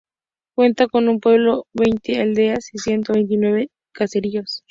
Cuenta con un pueblo, veinte aldeas y ciento veintinueve caseríos.